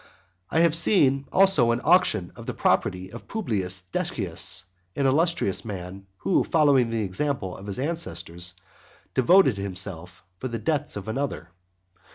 I have seen also an auction of the property of Publius Decius, an illustrious man, who, following the example of his ancestors, devoted himself for the debts of another.